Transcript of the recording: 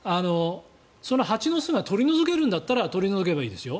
その蜂の巣が取り除けるんだったら取り除けばいいですよ。